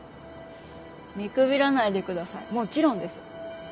見くびらないでくださいもちろんです。